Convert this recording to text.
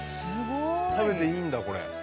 食べていいんだこれ。